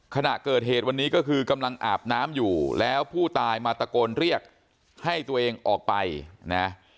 ขณะเกิดเหตุวันนี้ก็คือกำลังอาบน้ำอยู่แล้วผู้ตายมาตะโกนเรียกให้ตัวเองออกไปนะ